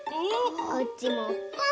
こっちもポン！